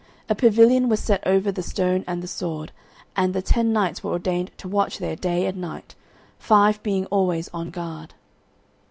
A pavilion was set over the stone and the sword, and the ten knights were ordained to watch there day and night, five being always on guard.